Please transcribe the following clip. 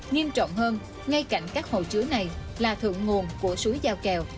nghiêm trọng hơn ngay cạnh các hồ chứa này là thượng nguồn của suối giao kèo